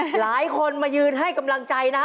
หลายคนมายืนให้กำลังใจนะ